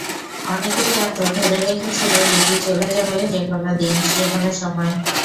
অনেকেই জানত, ধরে রেখেছিল দিতি চলে যাবে যেকোনো দিন, যেকোনো সময়।